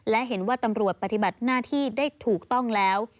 และเห็นว่าตำรวจปฏิบัติหน้าที่ได้ถูกต้องแล้ว